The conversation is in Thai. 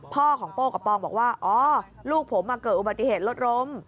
พ่อของโป้กับปองบอกว่าอ๋อลูกผมเกิดอุบัติเหตุรถล้ม